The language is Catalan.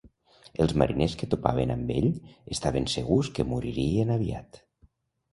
Els mariners que topaven amb ell estaven segurs que moririen aviat.